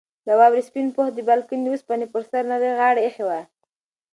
د واورې سپین پوښ د بالکن د اوسپنې پر سر نرۍ غاړه ایښې وه.